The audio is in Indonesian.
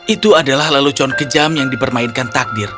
itu adalah lelucon kejam yang dipermainkan takdir